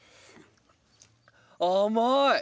甘い！